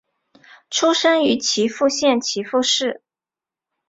出身于岐阜县岐阜市。